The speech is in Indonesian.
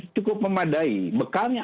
cukup memadai bekalnya